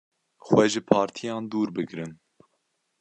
Xwe ji partiyan dûr bigirin.